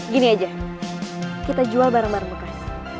gini aja kita jual bareng bareng bekas